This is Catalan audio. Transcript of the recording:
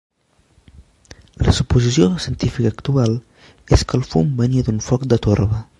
La suposició científica actual és que el fum venia d'un foc de torba.